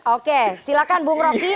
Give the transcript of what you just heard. oke silahkan bung roky